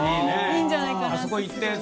いいんじゃないかなって。